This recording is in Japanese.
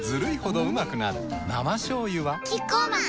生しょうゆはキッコーマン